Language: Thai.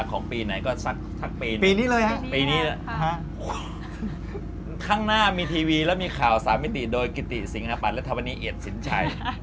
ข้างหน้ามีทีวีและมีข่าวสามมิติโดยกิติสิงหาปันและธรรมนีเอียดสินชัย